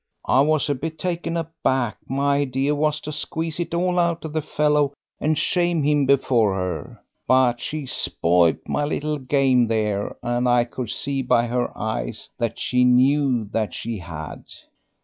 "I was a bit taken aback; my idea was to squeeze it all out of the fellow and shame him before her. But she spoilt my little game there, and I could see by her eyes that she knew that she had.